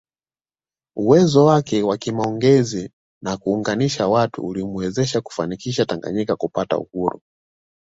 Uwezo wake wa kimaongezi na kuunganisha watu ulimwezesha kufanikisha Tanganyika kupata uhuru